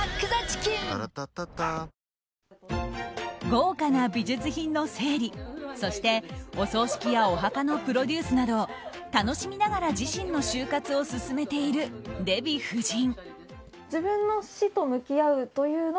豪華な美術品の整理そして、お葬式やお墓のプロデュースなど楽しみながら自身の終活を進めているデヴィ夫人。